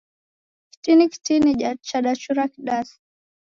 Kitini kitini chadachura kidasi